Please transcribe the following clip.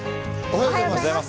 おはようございます。